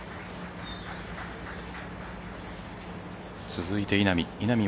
続いて稲見。